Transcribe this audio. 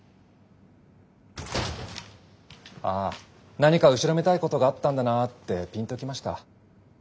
ああ何か後ろめたいことがあったんだなってピンときました。